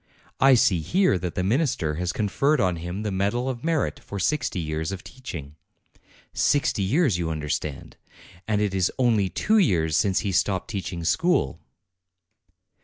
I see here that the minister has conferred on him the medal of merit for sixty years of teaching. Sixty years, you understand ! And it is only two years since he stopped teaching school.